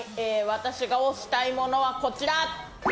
私がおしたいものはこちら！